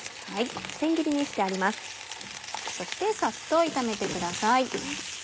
そしてさっと炒めてください。